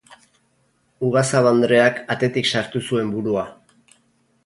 Ugazabandreak atetik sartu zuen burua.